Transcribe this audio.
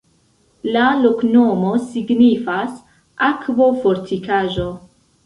La loknomo signifas: akvo-fortikaĵo.